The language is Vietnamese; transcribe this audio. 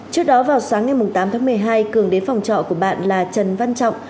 trước đó vào sáng ngày tám tháng một mươi hai cường đến phòng trọ của bạn là trần văn trọng